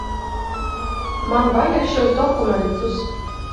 Man vajag šos dokumentus.